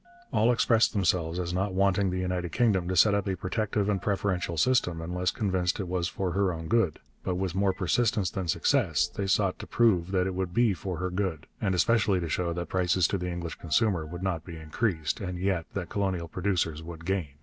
All expressed themselves as not wanting the United Kingdom to set up a protective and preferential system unless convinced it was for her own good; but with more persistence than success they sought to prove that it would be for her good, and especially to show that prices to the English consumer would not be increased, and yet that colonial producers would gain.